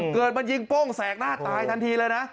เกิดมายิงโป้งแสกหน้าตายทันทีเลยนะ